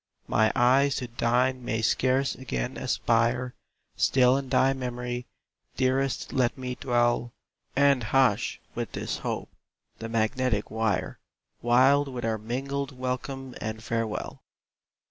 My eyes to thine may scarce again aspire Still in thy memory, dearest let me dwell, And hush, with this hope, the magnetic wire, Wild with our mingled welcome and farewell!